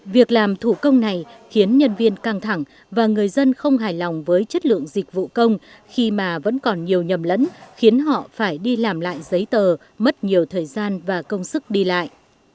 việc làm thủ công này khiến nhân viên căng thẳng và người dân không hài lòng với chất lượng dịch vụ công khi mà vẫn còn nhiều nhầm lẫn khiến họ phải đi làm lại giấy tờ mất nhiều thời gian và công sức đi lại